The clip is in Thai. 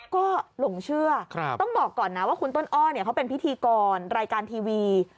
ก็หลงเชื่อต้องบอกก่อนนะว่าคุณต้นอ้อเขาเป็นพิธีกรรายการทีวี